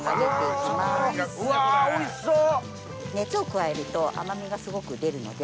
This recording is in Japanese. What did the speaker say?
熱を加えると甘みがすごく出るので。